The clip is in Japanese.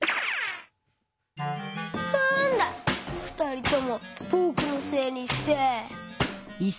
ふんだふたりともぼくのせいにして。